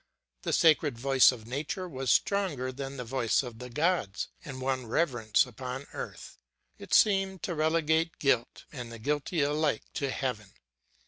The sacred voice of nature was stronger than the voice of the gods, and won reverence upon earth; it seemed to relegate guilt and the guilty alike to heaven.